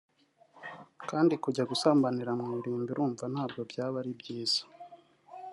kandi kujya gusambanira mu irimbi urumva ntabwo byaba ari byiza